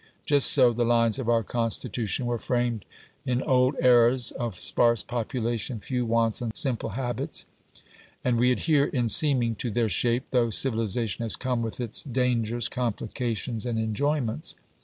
Just so the lines of our Constitution were framed in old eras of sparse population, few wants, and simple habits; and we adhere in seeming to their shape, though civilisation has come with its dangers, complications, and enjoyments.